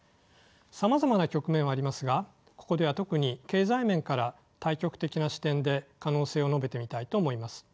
さまざまな局面はありますがここでは特に経済面から大局的な視点で可能性を述べてみたいと思います。